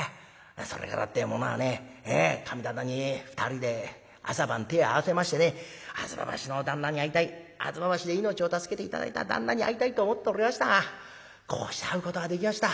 それからってえものはね神棚に２人で朝晩手ぇ合わせましてね吾妻橋の旦那に会いたい吾妻橋で命を助けて頂いた旦那に会いたいと思っておりやしたがこうして会うことができました。